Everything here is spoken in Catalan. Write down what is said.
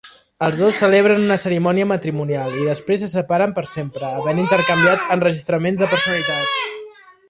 Els dos celebren una cerimònia matrimonial i després se separen per sempre, havent intercanviat enregistraments de personalitat.